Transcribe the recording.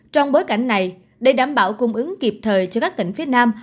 trong bối cảnh này để đảm bảo cung ứng kịp thời cho các tỉnh phía nam